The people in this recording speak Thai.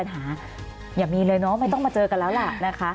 อย่ามีเลยเนาะไม่ต้องมาเจอกันแล้วล่ะนะคะ